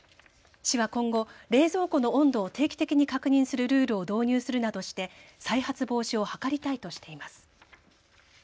市は今後、冷蔵庫の温度を定期的に確認するルールを導入するなどして再発防止を図りたいとしています。